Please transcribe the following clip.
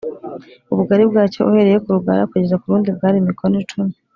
ubugari bwacyo uhereye ku rugara ukageza ku rundi bwari mikono cumi